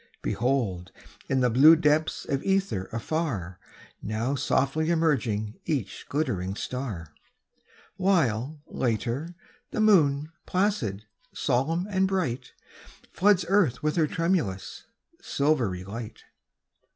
Behold, in the blue depths of ether afar, Now softly emerging each glittering star; While, later, the moon, placid, solemn and bright, Floods earth with her tremulous, silvery light.